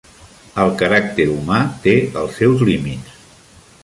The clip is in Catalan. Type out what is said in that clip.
El caràcter humà té els seus límits.